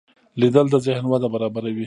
لیدل د ذهن وده برابروي